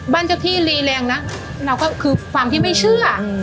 เจ้าที่รีแรงนะเราก็คือความที่ไม่เชื่อ